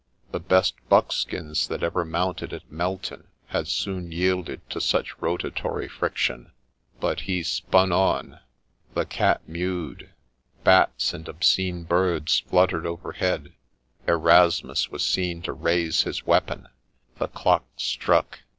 The best buckskins that ever mounted at Melton had soon yielded to such rotatory friction — but he spun on — the cat mewed, bats and obscene birds fluttered overhead ; Erasmus was seen to raise his weapon, the clock struck